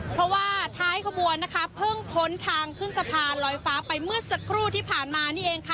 เพราะว่าท้ายขบวนนะคะเพิ่งพ้นทางขึ้นสะพานลอยฟ้าไปเมื่อสักครู่ที่ผ่านมานี่เองค่ะ